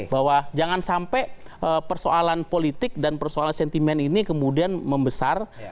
bahwa jangan sampai persoalan politik dan persoalan sentimen ini kemudian membesar